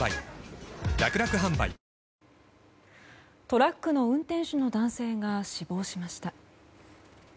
トラックの運転手の男性が死亡しました。